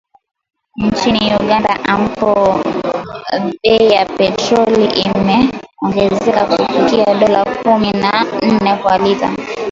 Nchini Uganda, ambapo bei ya petroli imeongezeka kufikia dola kumi na nne kwa lita